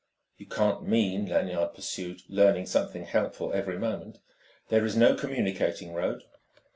"You can't mean," Lanyard pursued, learning something helpful every moment, "there is no communicating road?"